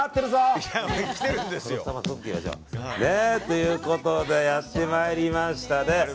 ということでやってまいりましたね。